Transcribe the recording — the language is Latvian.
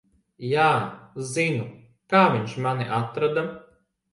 Jā, zinu, kā viņš mani atrada.